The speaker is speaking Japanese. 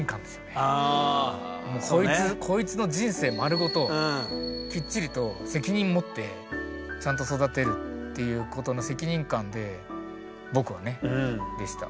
こいつこいつの人生まるごときっちりと責任持ってちゃんと育てるっていうことの責任感で僕はねでした。